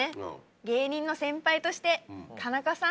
芸人の先輩として田中さん。